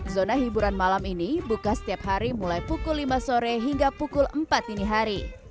zona hiburan malam ini buka setiap hari mulai pukul lima sore hingga pukul empat dini hari